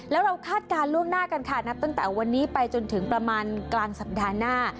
แล้วเราคาดการณ์ล่วงหน้ากันค่ะนับตั้งแต่วันนี้ไปจนถึงประมาณกลางสัปดาห์หน้า